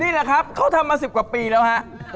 นี่แหละครับเขาทำมา๑๐กว่าปีแล้วฮะ